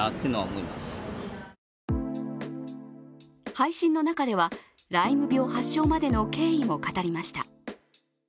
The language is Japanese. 配信の中では、ライム病発症までの経緯も語りました。